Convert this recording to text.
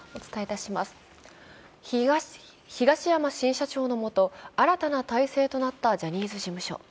東山新社長の下、新たな体制となったジャニーズ事務所。